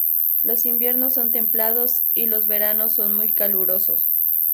Los inviernos son templados y los veranos son muy calurosos.